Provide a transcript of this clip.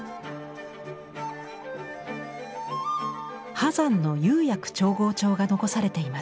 波山の釉薬調合帳が残されています。